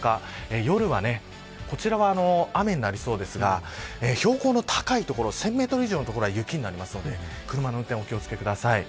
夜は雨になりそうですが標高の高い所１０００メートル以上の所は雪になりますので車の運転、気を付けください。